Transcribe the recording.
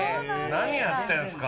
何やってんですか。